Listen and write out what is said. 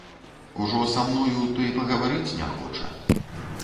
Ужо са мною, то і пагаварыць не хоча.